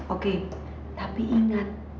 oke tapi ingat